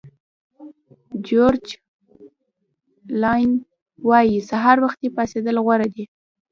جیورج الین وایي سهار وختي پاڅېدل غوره دي.